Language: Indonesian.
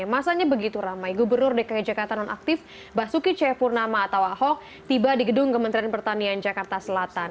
masanya begitu ramai gubernur dki jakarta nonaktif basuki cahayapurnama atau ahok tiba di gedung kementerian pertanian jakarta selatan